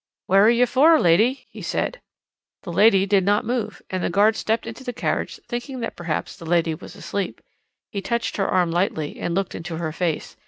"'Where are you for, lady?' he said. "The lady did not move, and the guard stepped into the carriage, thinking that perhaps the lady was asleep. He touched her arm lightly and looked into her face.